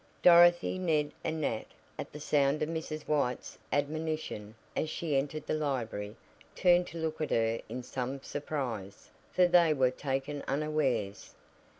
Dorothy, Ned and Nat, at the sound of Mrs. White's admonition as she entered the library, turned to look at her in some surprise, for they were taken unawares.